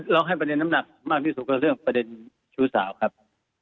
ให้ประเด็นน้ำหนักมากที่สุดก็เรื่องประเด็นชู้สาวครับ